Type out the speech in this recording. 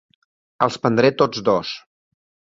Els prendré tots dos.